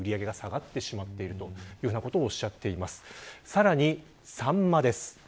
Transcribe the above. さらにサンマです。